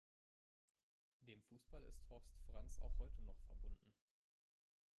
Dem Fußball ist Horst Franz auch heute noch verbunden.